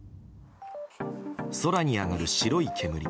空に上がる白い煙。